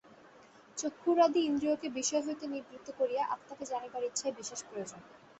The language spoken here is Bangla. চক্ষুরাদি ইন্দ্রিয়কে বিষয় হইতে নিবৃত্ত করিয়া আত্মাকে জানিবার ইচ্ছাই বিশেষ প্রয়োজন।